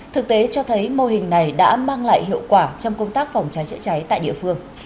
thực tế cho thấy mô hình này đã mang lại hiệu quả trong công tác phòng cháy chữa cháy tại địa phương